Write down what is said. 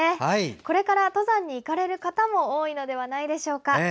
これから登山に行かれる方も多いのではないでしょうか。